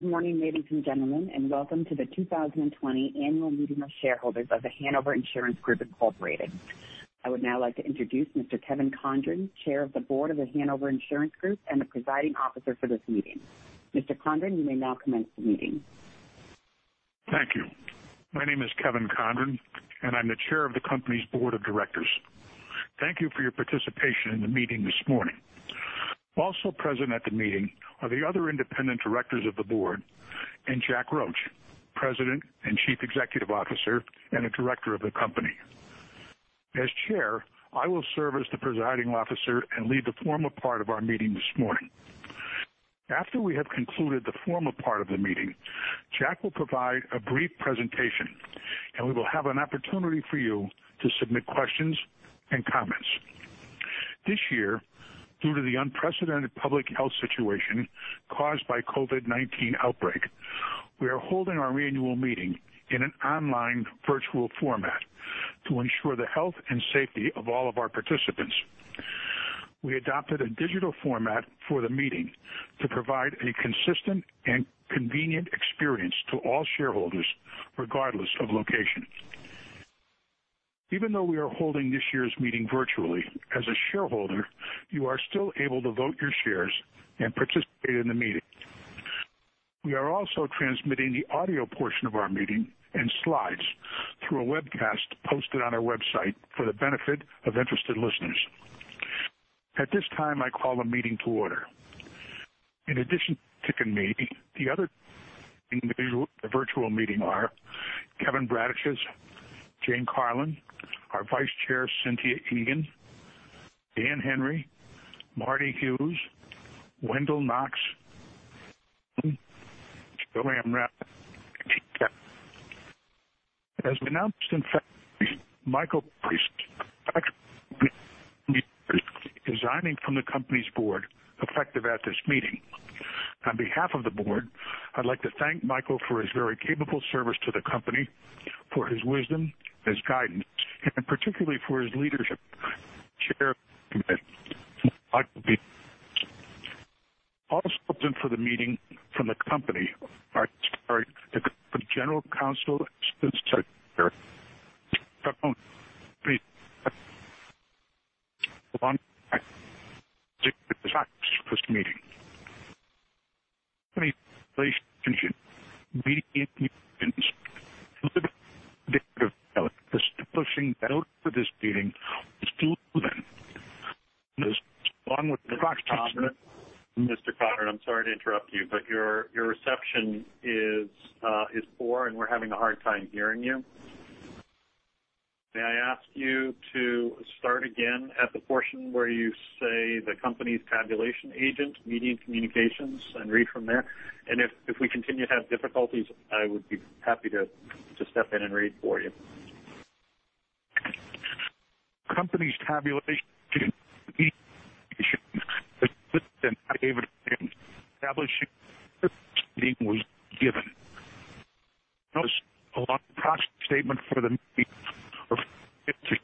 Good morning, ladies and gentlemen, and welcome to the 2020 annual meeting of shareholders of The Hanover Insurance Group Incorporated. I would now like to introduce Mr. Kevin Condron, Chair of the Board of The Hanover Insurance Group and the presiding officer for this meeting. Mr. Condron, you may now commence the meeting. Thank you. My name is Kevin Condron, and I'm the Chair of the company's Board of Directors. Thank you for your participation in the meeting this morning. Also present at the meeting are the other independent directors of the Board and Jack Roche, President and Chief Executive Officer, and a Director of the company. As Chair, I will serve as the presiding officer and lead the formal part of our meeting this morning. After we have concluded the formal part of the meeting, Jack will provide a brief presentation, and we will have an opportunity for you to submit questions and comments. This year, due to the unprecedented public health situation caused by COVID-19 outbreak, we are holding our annual meeting in an online virtual format to ensure the health and safety of all of our participants. We adopted a digital format for the meeting to provide a consistent and convenient experience to all shareholders, regardless of location. Even though we are holding this year's meeting virtually, as a shareholder, you are still able to vote your shares and participate in the meeting. We are also transmitting the audio portion of our meeting and slides through a webcast posted on our website for the benefit of interested listeners. At this time, I call the meeting to order. In addition to me, the other the virtual meeting are Kevin Bradicich, Jane Carlin, our Vice Chair, Cynthia Egan, Daniel Henry, Martin Hughes, Wendell Knox. As we announced in February, Michael Price resigning from the company's Board effective at this meeting. On behalf of the Board, I'd like to thank Michael Price for his very capable service to the company, for his wisdom, his guidance, and particularly for his leadership. Also up for the meeting from the company are general counsel this meeting. establishing that for this meeting Mr. Condron, I'm sorry to interrupt you, but your reception is poor, and we're having a hard time hearing you. May I ask you to start again at the portion where you say, "The company's tabulation agent, Mediant Communications," and read from there? If we continue to have difficulties, I would be happy to step in and read for you. The company's tabulation agent, Mediant Communications, has delivered an affidavit of mailing establishing that the notice of this meeting was given. The notice, along with the proxy statement for the meeting- Mr.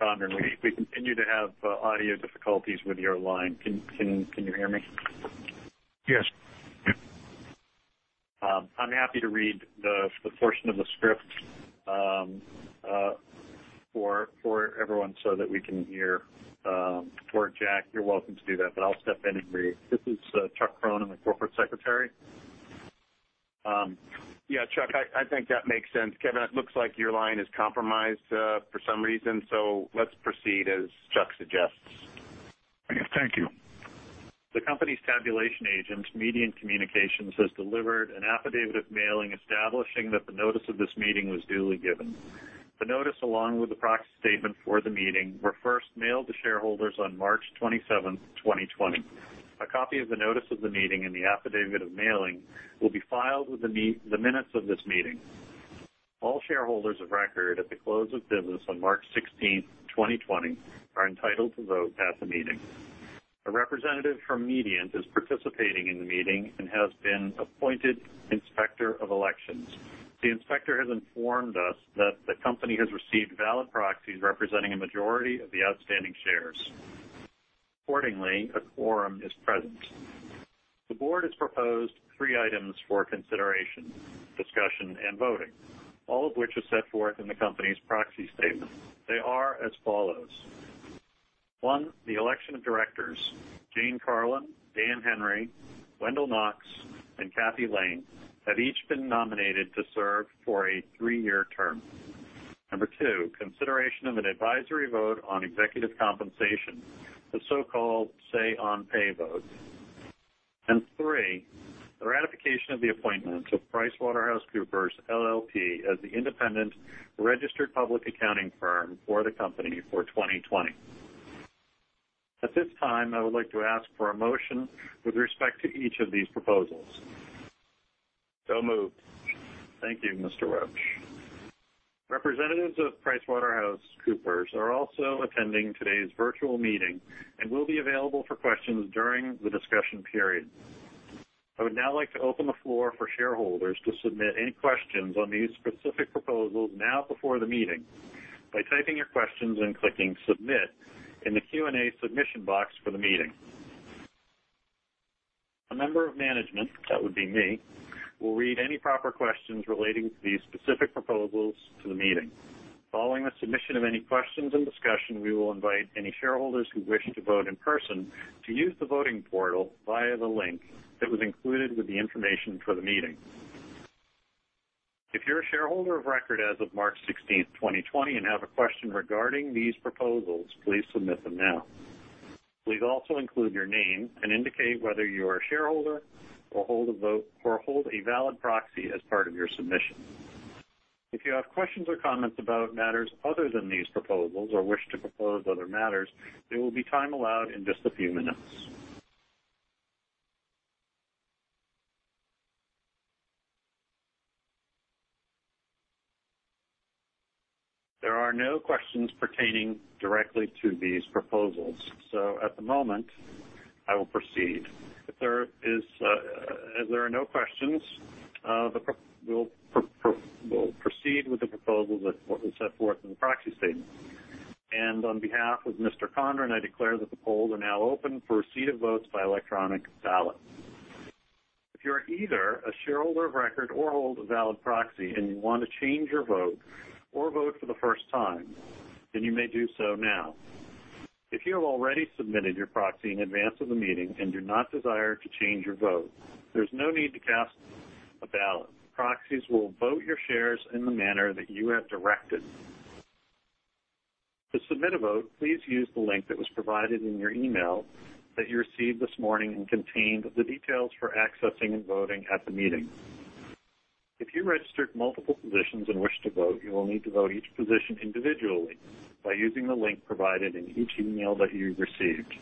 Condron, we continue to have audio difficulties with your line. Can you hear me? Yes. I'm happy to read the portion of the script for everyone so that we can hear. Jack, you're welcome to do that, but I'll step in and read. This is Chuck Cronin. I'm the Corporate Secretary. Yeah, Chuck, I think that makes sense. Kevin, it looks like your line is compromised for some reason. Let's proceed as Chuck Cronin suggests. Thank you. The company's tabulation agent, Mediant Communications, has delivered an affidavit of mailing establishing that the notice of this meeting was duly given. The notice, along with the proxy statement for the meeting, were first mailed to shareholders on March 27th, 2020. A copy of the notice of the meeting and the affidavit of mailing will be filed with the minutes of this meeting. All shareholders of record at the close of business on March 16th, 2020, are entitled to vote at the meeting. A representative from Mediant is participating in the meeting and has been appointed inspector of elections. The inspector has informed us that the company has received valid proxies representing a majority of the outstanding shares. Accordingly, a quorum is present. The board has proposed three items for consideration, discussion, and voting. All of which are set forth in the company's proxy statement. They are as follows. 1, the election of directors. Jane Carlin, Dan Henry, Wendell Knox, and Kathy Lane have each been nominated to serve for a three-year term. 2, consideration of an advisory vote on executive compensation, the so-called say on pay vote. 3, the ratification of the appointment of PricewaterhouseCoopers LLP as the independent registered public accounting firm for the company for 2020. At this time, I would like to ask for a motion with respect to each of these proposals. So moved. Thank you, Mr. Roche. Representatives of PricewaterhouseCoopers are also attending today's virtual meeting and will be available for questions during the discussion period. I would now like to open the floor for shareholders to submit any questions on these specific proposals now before the meeting, by typing your questions and clicking Submit in the Q&A submission box for the meeting. A member of management, that would be me, will read any proper questions relating to these specific proposals to the meeting. Following the submission of any questions and discussion, we will invite any shareholders who wish to vote in person to use the voting portal via the link that was included with the information for the meeting. If you're a shareholder of record as of March 16th, 2020, and have a question regarding these proposals, please submit them now. Please also include your name and indicate whether you are a shareholder or hold a valid proxy as part of your submission. If you have questions or comments about matters other than these proposals or wish to propose other matters, there will be time allowed in just a few minutes. There are no questions pertaining directly to these proposals. At the moment, I will proceed. As there are no questions, we'll proceed with the proposals that was set forth in the proxy statement. On behalf of Mr. Condron, I declare that the polls are now open for receipt of votes by electronic ballot. If you're either a shareholder of record or hold a valid proxy and you want to change your vote or vote for the first time, you may do so now. If you have already submitted your proxy in advance of the meeting and do not desire to change your vote, there's no need to cast a ballot. Proxies will vote your shares in the manner that you have directed. To submit a vote, please use the link that was provided in your email that you received this morning and contained the details for accessing and voting at the meeting. If you registered multiple positions and wish to vote, you will need to vote each position individually by using the link provided in each email that you received.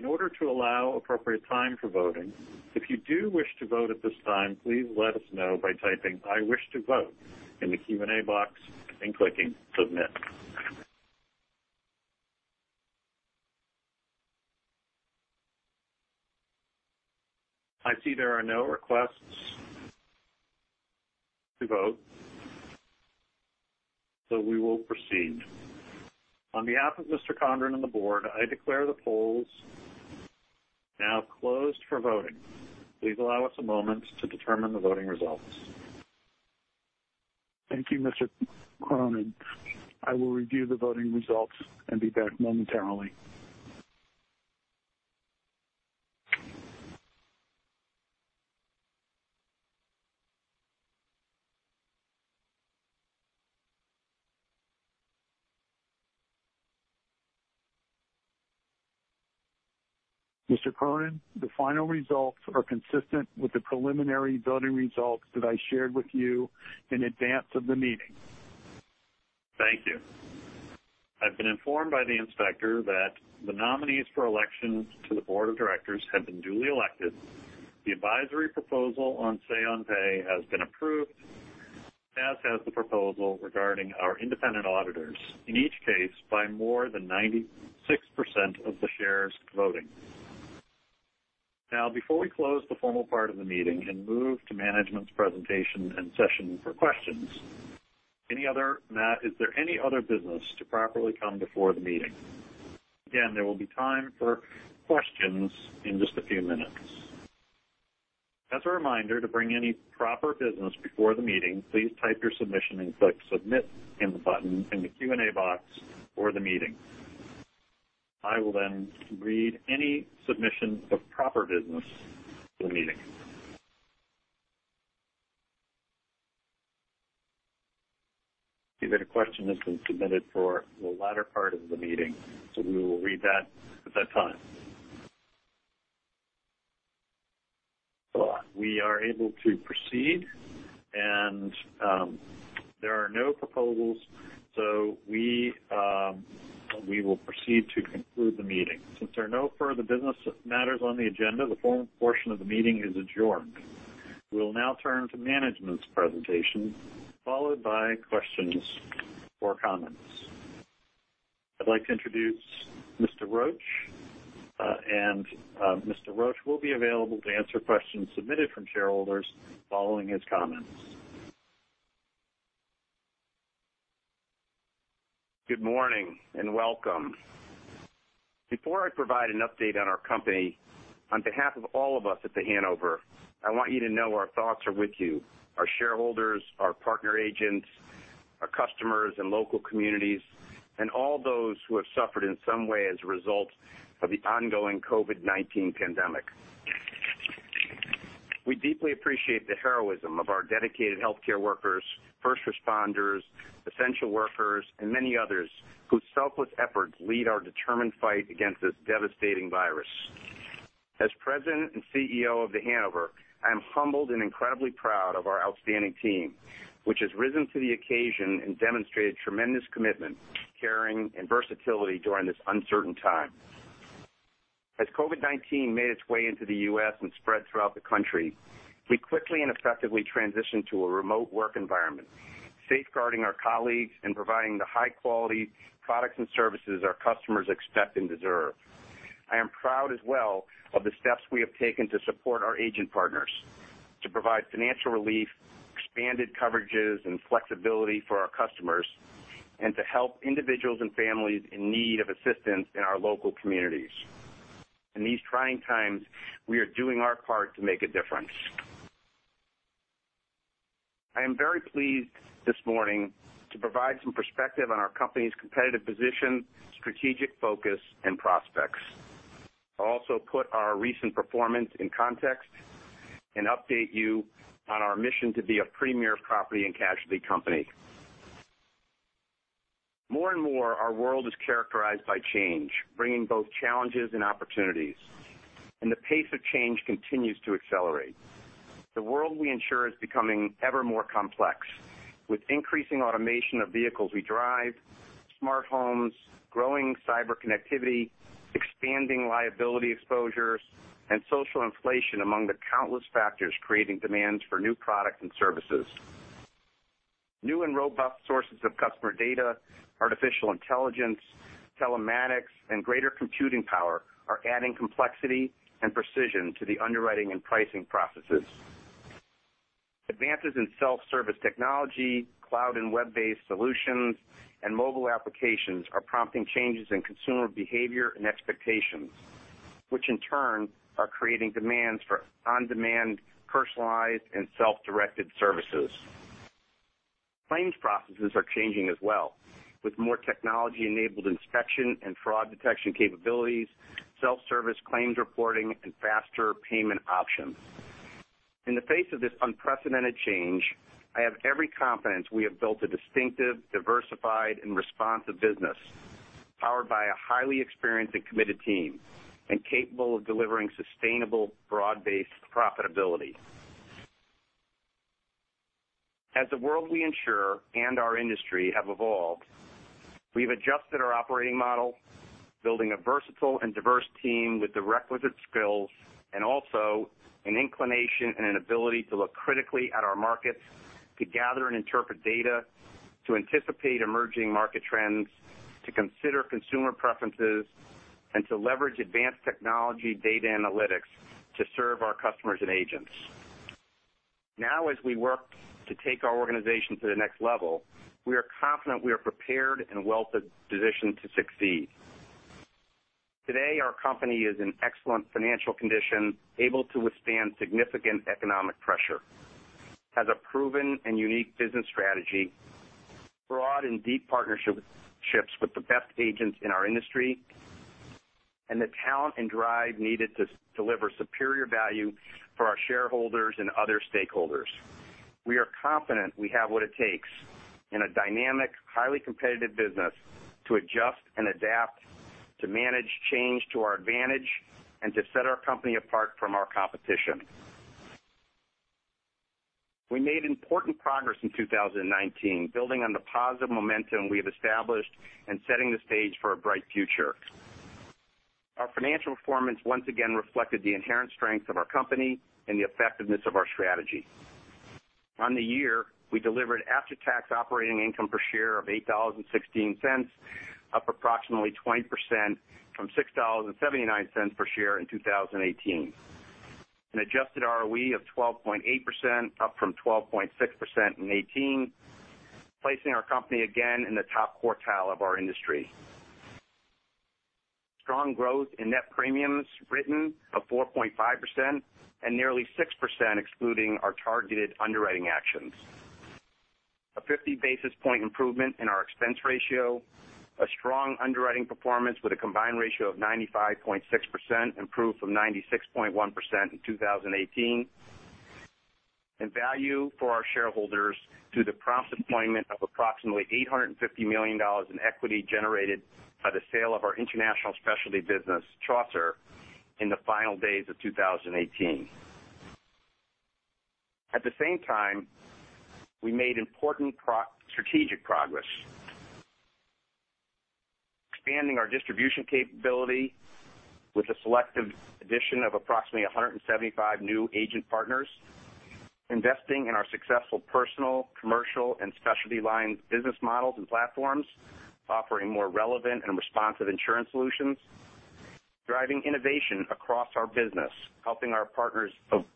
In order to allow appropriate time for voting, if you do wish to vote at this time, please let us know by typing, "I wish to vote," in the Q&A box and clicking Submit. I see there are no requests to vote, we will proceed. On behalf of Mr. Condron and the Board, I declare the polls now closed for voting. Please allow us a moment to determine the voting results. Thank you, Mr. Cronin. I will review the voting results and be back momentarily. Mr. Cronin, the final results are consistent with the preliminary voting results that I shared with you in advance of the meeting. Thank you. I've been informed by the inspector that the nominees for election to the board of directors have been duly elected. The advisory proposal on say on pay has been approved, as has the proposal regarding our independent auditors, in each case by more than 96% of the shares voting. Before we close the formal part of the meeting and move to management's presentation and session for questions, is there any other business to properly come before the meeting? Again, there will be time for questions in just a few minutes. As a reminder, to bring any proper business before the meeting, please type your submission and click Submit in the Q&A box for the meeting. I will then read any submissions of proper business to the meeting. I see that a question has been submitted for the latter part of the meeting, so we will read that at that time. We are able to proceed, and there are no proposals. We will proceed to conclude the meeting. Since there are no further business matters on the agenda, the formal portion of the meeting is adjourned. We will now turn to management's presentation, followed by questions or comments. I'd like to introduce Mr. Roche. Mr. Roche will be available to answer questions submitted from shareholders following his comments. Good morning, and welcome. Before I provide an update on our company, on behalf of all of us at The Hanover, I want you to know our thoughts are with you, our shareholders, our partner agents, our customers and local communities, and all those who have suffered in some way as a result of the ongoing COVID-19 pandemic. We deeply appreciate the heroism of our dedicated healthcare workers, first responders, essential workers, and many others whose selfless efforts lead our determined fight against this devastating virus. As President and CEO of The Hanover, I am humbled and incredibly proud of our outstanding team, which has risen to the occasion and demonstrated tremendous commitment, caring, and versatility during this uncertain time. As COVID-19 made its way into the U.S. and spread throughout the country, we quickly and effectively transitioned to a remote work environment safeguarding our colleagues and providing the high-quality products and services our customers expect and deserve. I am proud as well of the steps we have taken to support our agent partners, to provide financial relief, expanded coverages, and flexibility for our customers, and to help individuals and families in need of assistance in our local communities. In these trying times, we are doing our part to make a difference. I am very pleased this morning to provide some perspective on our company's competitive position, strategic focus, and prospects. I'll also put our recent performance in context and update you on our mission to be a premier property and casualty company. More and more, our world is characterized by change, bringing both challenges and opportunities, and the pace of change continues to accelerate. The world we insure is becoming ever more complex, with increasing automation of vehicles we drive, smart homes, growing cyber connectivity, expanding liability exposures, and social inflation among the countless factors creating demands for new product and services. New and robust sources of customer data, artificial intelligence, telematics, and greater computing power are adding complexity and precision to the underwriting and pricing processes. Advances in self-service technology, cloud and web-based solutions, and mobile applications are prompting changes in consumer behavior and expectations, which in turn are creating demands for on-demand, personalized, and self-directed services. Claims processes are changing as well, with more technology-enabled inspection and fraud detection capabilities, self-service claims reporting, and faster payment options. In the face of this unprecedented change, I have every confidence we have built a distinctive, diversified, and responsive business powered by a highly experienced and committed team and capable of delivering sustainable, broad-based profitability. As the world we insure and our industry have evolved, we've adjusted our operating model, building a versatile and diverse team with the requisite skills and also an inclination and an ability to look critically at our markets, to gather and interpret data, to anticipate emerging market trends, to consider consumer preferences, and to leverage advanced technology data analytics to serve our customers and agents. Now, as we work to take our organization to the next level, we are confident we are prepared and well-positioned to succeed. Today, our company is in excellent financial condition, able to withstand significant economic pressure, has a proven and unique business strategy, broad and deep partnerships with the best agents in our industry, and the talent and drive needed to deliver superior value for our shareholders and other stakeholders. We are confident we have what it takes in a dynamic, highly competitive business to adjust and adapt, to manage change to our advantage, and to set our company apart from our competition. We made important progress in 2019, building on the positive momentum we have established and setting the stage for a bright future. Our financial performance once again reflected the inherent strength of our company and the effectiveness of our strategy. On the year, we delivered after-tax operating income per share of $8.16, up approximately 20% from $6.79 per share in 2018. An adjusted ROE of 12.8%, up from 12.6% in 2018, placing our company again in the top quartile of our industry. Strong growth in net premiums written of 4.5% and nearly 6% excluding our targeted underwriting actions. A 50-basis point improvement in our expense ratio. A strong underwriting performance with a combined ratio of 95.6%, improved from 96.1% in 2018. Value for our shareholders through the prompt deployment of approximately $850 million in equity generated by the sale of our international specialty business, Chaucer, in the final days of 2018. At the same time, we made important strategic progress. Expanding our distribution capability with the selective addition of approximately 175 new agent partners. Investing in our successful personal, commercial, and specialty line business models and platforms, offering more relevant and responsive insurance solutions. Driving innovation across our business, helping our partners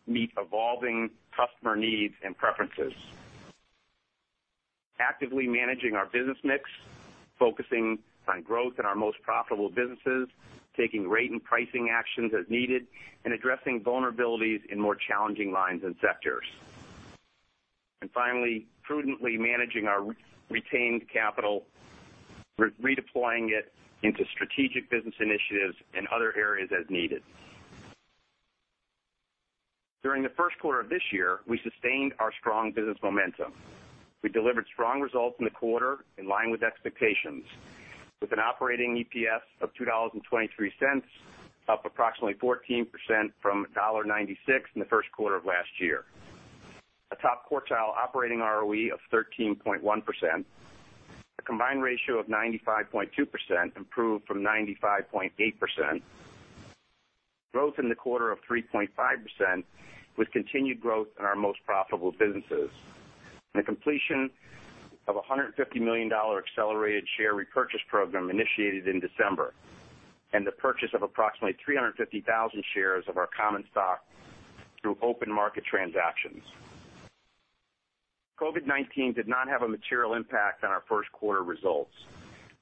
meet evolving customer needs and preferences. Actively managing our business mix, focusing on growth in our most profitable businesses, taking rate and pricing actions as needed, and addressing vulnerabilities in more challenging lines and sectors. Finally, prudently managing our retained capital, redeploying it into strategic business initiatives and other areas as needed. During the first quarter of this year, we sustained our strong business momentum. We delivered strong results in the quarter in line with expectations, with an operating EPS of $2.23, up approximately 14% from $1.96 in the first quarter of last year. A top quartile operating ROE of 13.1%, a combined ratio of 95.2% improved from 95.8%, Growth in the quarter of 3.5%, with continued growth in our most profitable businesses. The completion of $150 million accelerated share repurchase program initiated in December, and the purchase of approximately 350,000 shares of our common stock through open market transactions. COVID-19 did not have a material impact on our first quarter results.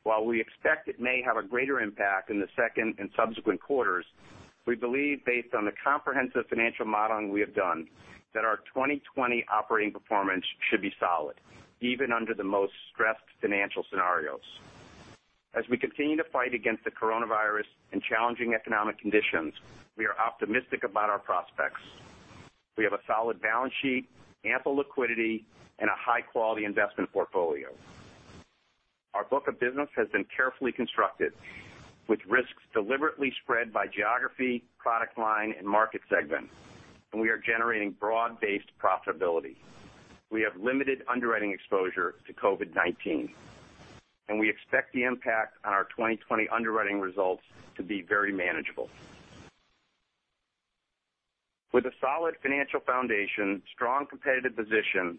While we expect it may have a greater impact in the second and subsequent quarters, we believe based on the comprehensive financial modeling we have done, that our 2020 operating performance should be solid, even under the most stressed financial scenarios. As we continue to fight against the coronavirus and challenging economic conditions, we are optimistic about our prospects. We have a solid balance sheet, ample liquidity, and a high-quality investment portfolio. Our book of business has been carefully constructed, with risks deliberately spread by geography, product line, and market segment, and we are generating broad-based profitability. We have limited underwriting exposure to COVID-19, and we expect the impact on our 2020 underwriting results to be very manageable. With a solid financial foundation, strong competitive position,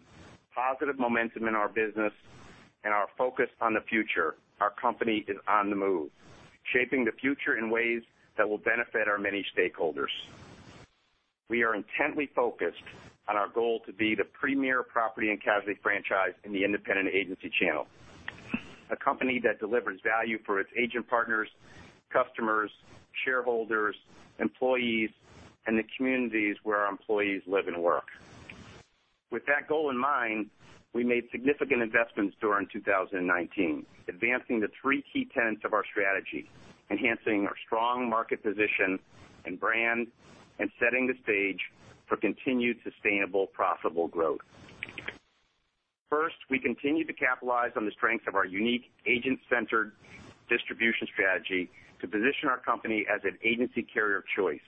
positive momentum in our business, and our focus on the future, our company is on the move, shaping the future in ways that will benefit our many stakeholders. We are intently focused on our goal to be the premier property and casualty franchise in the independent agency channel. A company that delivers value for its agent partners, customers, shareholders, employees, and the communities where our employees live and work. With that goal in mind, we made significant investments during 2019, advancing the three key tenets of our strategy, enhancing our strong market position and brand, and setting the stage for continued sustainable profitable growth. First, we continued to capitalize on the strength of our unique agent-centered distribution strategy to position our company as an agency carrier of choice.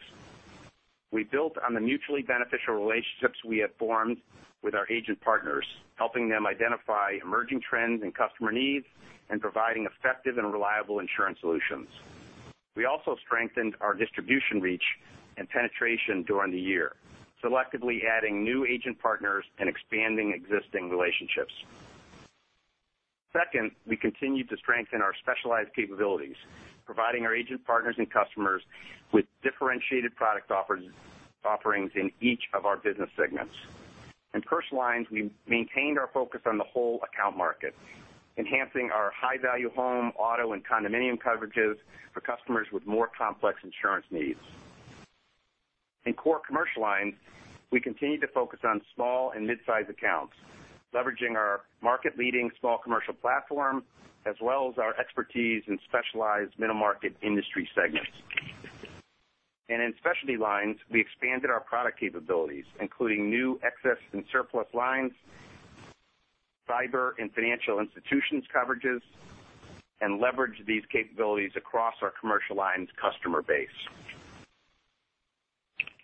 We built on the mutually beneficial relationships we have formed with our agent partners, helping them identify emerging trends and customer needs, and providing effective and reliable insurance solutions. We also strengthened our distribution reach and penetration during the year, selectively adding new agent partners and expanding existing relationships. Second, we continued to strengthen our specialized capabilities, providing our agent partners and customers with differentiated product offerings in each of our business segments. In personal lines, we maintained our focus on the whole account market, enhancing our high-value home, auto, and condominium coverages for customers with more complex insurance needs. In core commercial lines, we continued to focus on small and mid-size accounts, leveraging our market leading small commercial platform, as well as our expertise in specialized middle market industry segments. In specialty lines, we expanded our product capabilities, including new excess and surplus lines, cyber and financial institutions coverages, and leveraged these capabilities across our commercial lines customer base.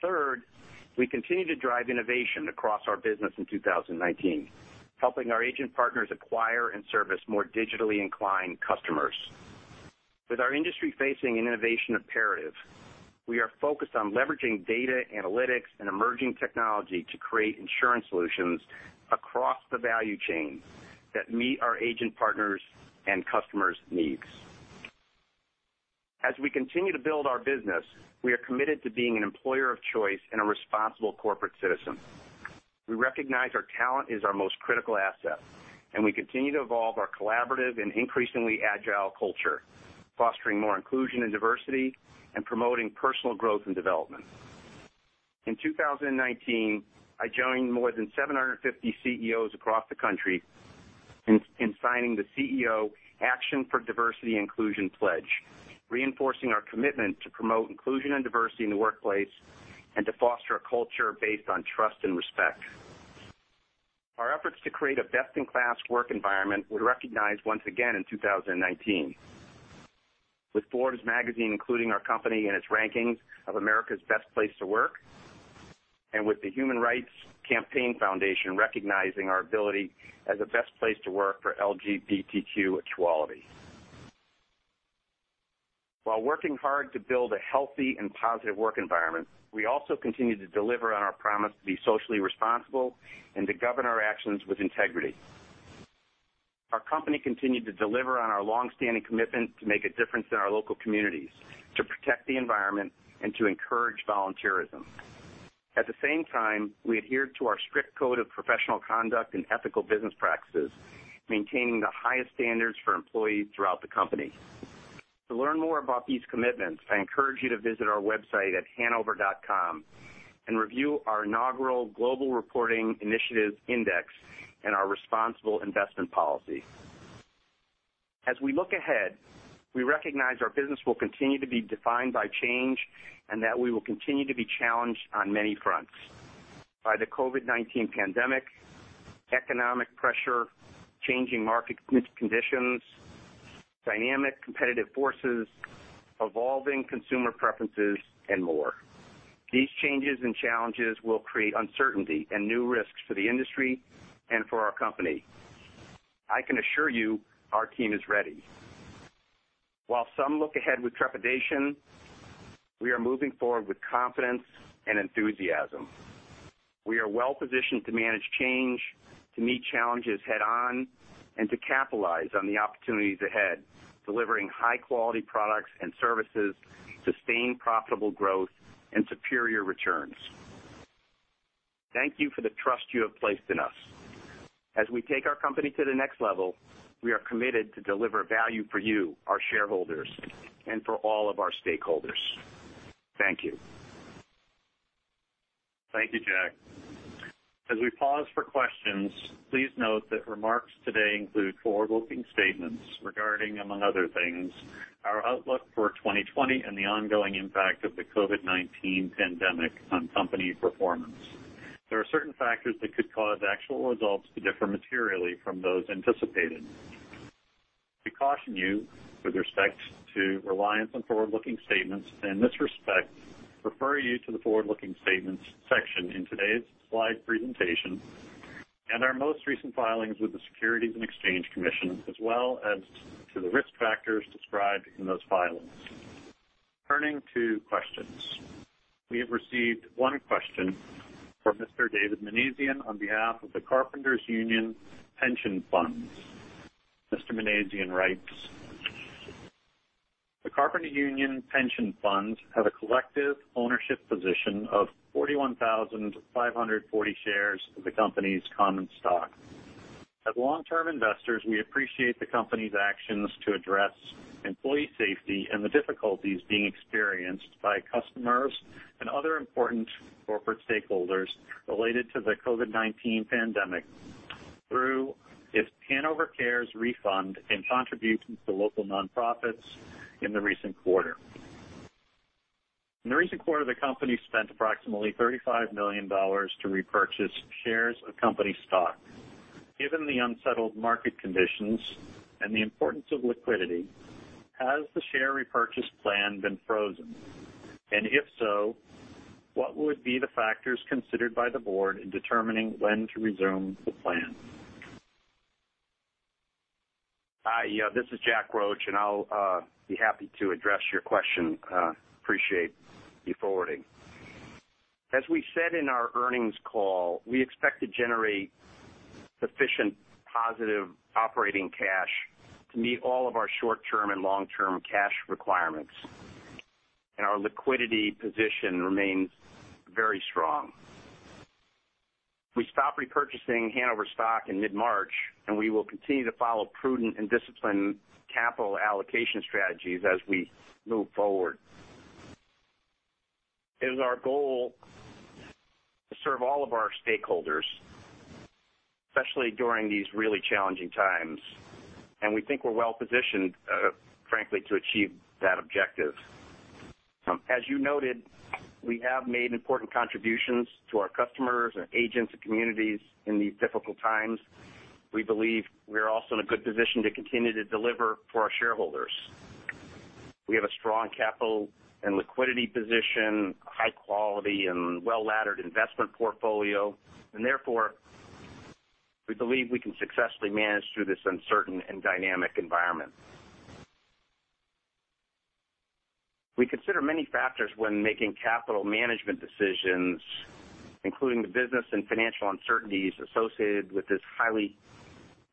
Third, we continued to drive innovation across our business in 2019, helping our agent partners acquire and service more digitally inclined customers. With our industry facing an innovation imperative, we are focused on leveraging data analytics and emerging technology to create insurance solutions across the value chain that meet our agent partners' and customers' needs. As we continue to build our business, we are committed to being an employer of choice and a responsible corporate citizen. We recognize our talent is our most critical asset, and we continue to evolve our collaborative and increasingly agile culture, fostering more inclusion and diversity, and promoting personal growth and development. In 2019, I joined more than 750 CEOs across the country in signing the CEO Action for Diversity & Inclusion pledge, reinforcing our commitment to promote inclusion and diversity in the workplace and to foster a culture based on trust and respect. Our efforts to create a best-in-class work environment were recognized once again in 2019 with Forbes magazine including our company in its rankings of America's Best Place to Work, and with the Human Rights Campaign Foundation recognizing our ability as a best place to work for LGBTQ equality. While working hard to build a healthy and positive work environment, we also continue to deliver on our promise to be socially responsible and to govern our actions with integrity. Our company continued to deliver on our longstanding commitment to make a difference in our local communities, to protect the environment, and to encourage volunteerism. At the same time, we adhered to our strict code of professional conduct and ethical business practices, maintaining the highest standards for employees throughout the company. To learn more about these commitments, I encourage you to visit our website at hanover.com and review our inaugural Global Reporting Initiative Index and our responsible investment policy. As we look ahead, we recognize our business will continue to be defined by change and that we will continue to be challenged on many fronts by the COVID-19 pandemic, economic pressure, changing market conditions, dynamic competitive forces, evolving consumer preferences, and more. These changes and challenges will create uncertainty and new risks for the industry and for our company. I can assure you our team is ready. While some look ahead with trepidation, we are moving forward with confidence and enthusiasm. We are well-positioned to manage change, to meet challenges head-on, and to capitalize on the opportunities ahead, delivering high-quality products and services, sustained profitable growth, and superior returns. Thank you for the trust you have placed in us. As we take our company to the next level, we are committed to deliver value for you, our shareholders, and for all of our stakeholders. Thank you. Thank you, Jack. As we pause for questions, please note that remarks today include forward-looking statements regarding, among other things, our outlook for 2020 and the ongoing impact of the COVID-19 pandemic on company performance. There are certain factors that could cause actual results to differ materially from those anticipated. We caution you with respect to reliance on forward-looking statements, in this respect, refer you to the forward-looking statements section in today's slide presentation and our most recent filings with the Securities and Exchange Commission, as well as to the risk factors described in those filings. Turning to questions. We have received one question from Mr. David Minasian on behalf of the Carpenters Union Pension Funds. Mr. Minasian writes, "The Carpenters Union Pension Funds have a collective ownership position of 41,540 shares of the company's common stock. As long-term investors, we appreciate the company's actions to address employee safety and the difficulties being experienced by customers and other important corporate stakeholders related to the COVID-19 pandemic through its Hanover Cares refund and contributions to local nonprofits in the recent quarter. In the recent quarter, the company spent approximately $35 million to repurchase shares of company stock. Given the unsettled market conditions and the importance of liquidity, has the share repurchase plan been frozen? If so, what would be the factors considered by the board in determining when to resume the plan? Hi, this is Jack Roche. I'll be happy to address your question. Appreciate you forwarding. As we said in our earnings call, we expect to generate sufficient positive operating cash to meet all of our short-term and long-term cash requirements. Our liquidity position remains very strong. We stopped repurchasing Hanover stock in mid-March. We will continue to follow prudent and disciplined capital allocation strategies as we move forward. It is our goal to serve all of our stakeholders, especially during these really challenging times. We think we're well-positioned, frankly, to achieve that objective. As you noted, we have made important contributions to our customers and agents and communities in these difficult times. We believe we are also in a good position to continue to deliver for our shareholders. We have a strong capital and liquidity position, a high quality and well-laddered investment portfolio. Therefore, we believe we can successfully manage through this uncertain and dynamic environment. We consider many factors when making capital management decisions, including the business and financial uncertainties associated with this highly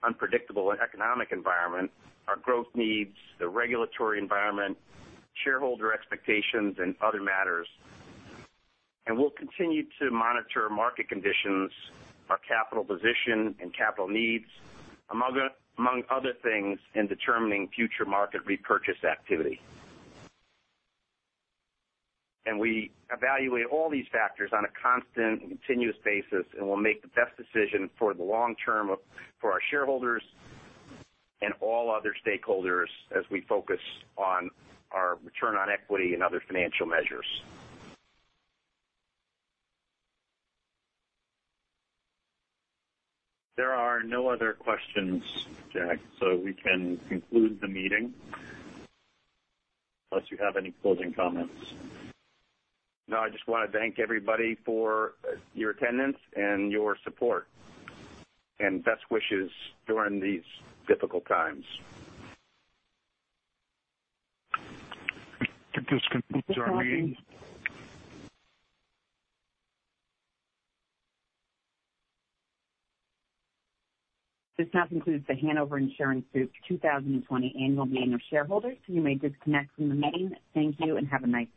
unpredictable economic environment, our growth needs, the regulatory environment, shareholder expectations, and other matters. We'll continue to monitor market conditions, our capital position and capital needs, among other things, in determining future market repurchase activity. We evaluate all these factors on a constant and continuous basis, and we'll make the best decision for the long term for our shareholders and all other stakeholders as we focus on our return on equity and other financial measures. There are no other questions, Jack. We can conclude the meeting unless you have any closing comments. I just want to thank everybody for your attendance and your support, and best wishes during these difficult times. This concludes our meeting. This now concludes The Hanover Insurance Group 2020 Annual Meeting of Shareholders. You may disconnect from the meeting. Thank you and have a nice day.